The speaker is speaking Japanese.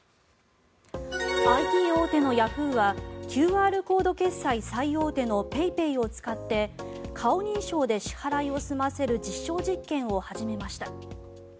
ＩＴ大手のヤフーはＱＲコード決済最大手のＰａｙＰａｙを使って顔認証で支払いを済ませる実証実験を始めました。